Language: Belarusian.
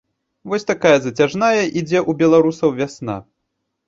Вось такая зацяжная ідзе ў беларусаў вясна.